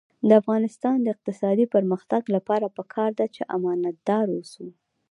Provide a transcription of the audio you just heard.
د افغانستان د اقتصادي پرمختګ لپاره پکار ده چې امانتدار اوسو.